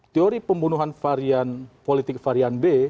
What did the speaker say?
teori pembunuhan politik varian b